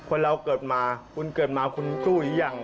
คนเราเกิดมาคุณเกิดมาคุณสู้หรือยัง